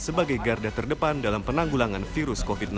sebagai garda terdepan dalam penanggulangan virus covid sembilan belas